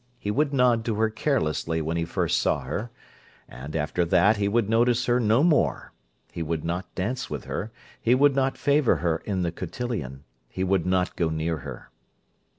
He would nod to her carelessly when he first saw her; and, after that, he would notice her no more: he would not dance with her; he would not favour her in the cotillion—he would not go near her!